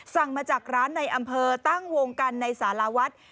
สั่งมาจากร้านในอำเภอตั้งวงกันในสารวัฒน์